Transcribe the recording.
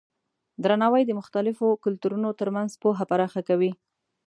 درناوی د مختلفو کلتورونو ترمنځ پوهه پراخه کوي.